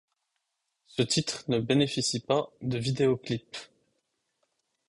Ce titre ne bénéficie pas de vidéoclip.